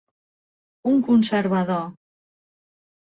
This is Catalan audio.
Un conservador.